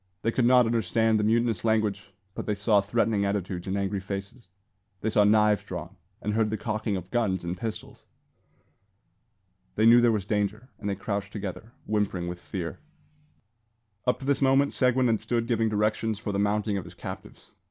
They could not understand the mutinous language, but they saw threatening attitudes and angry faces. They saw knives drawn, and heard the cocking of guns and pistols. They knew there was danger, and they crouched together, whimpering with fear. Up to this moment Seguin had stood giving directions for the mounting of his captives.